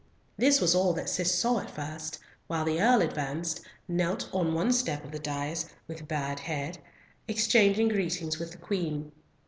This was all that Cis saw at first, while the Earl advanced, knelt on one step of the dais, with bared head, exchanging greetings with the Queen.